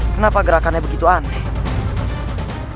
kenapa gerakannya begitu aneh